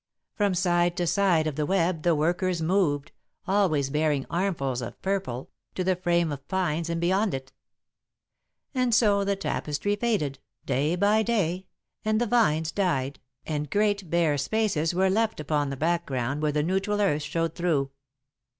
From side to side of the web the workers moved, always bearing armfuls of purple, to the frame of pines and beyond it. And so the tapestry faded, day by day, and the vines died, and great bare spaces were left upon the background where the neutral earth showed through.